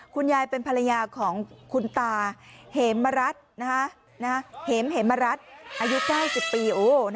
คุณยายเป็นภรรยาของคุณตาเหมรัฐอายุ๙๐ปี